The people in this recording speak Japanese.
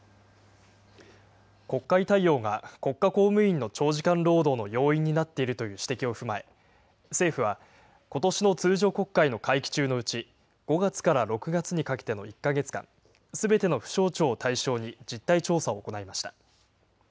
国会対応が国家公務員の長時間労働の要因になっているという指摘を踏まえ、政府は、ことしの通常国会の会期中のうち、５月から６月にかけての１か月間、すべての府省庁を対象に実態調査を行いました。